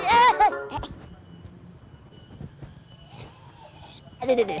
aduh aduh aduh